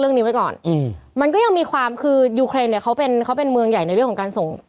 เรื่องนี้ไว้ก่อนอืมมันก็ยังมีความคือยูเครนเนี่ยเขาเป็นเขาเป็นเมืองใหญ่ในเรื่องของการส่ง